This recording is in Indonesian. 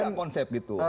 punya gak konsep gitu